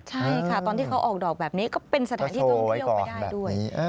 ใช่ค่ะตอนที่เขาออกดอกแบบนี้ก็เป็นสถานที่ท่องเที่ยวไปได้ด้วย